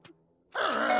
ああ！